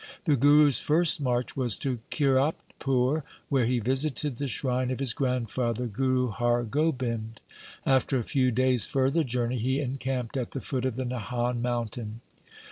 The Guru's first march was to Kiratpur, where he visited the shrine of his grandfather, Guru Har Gobind. After a few days' further journey he encamped at the foot of the Nahan mountain.